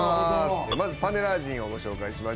まずパネラー陣をご紹介しましょう。